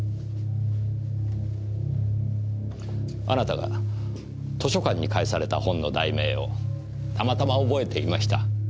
あなたが図書館に返された本の題名をたまたま覚えていました。